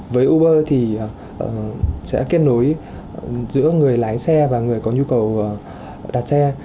với uber thì sẽ kết nối giữa người lái xe và người có nhu cầu đặt xe